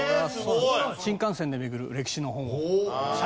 新幹線で巡る歴史の本を。